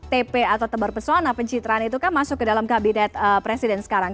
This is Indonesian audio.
tp atau tebar pesona pencitraan itu kan masuk ke dalam kabinet presiden sekarang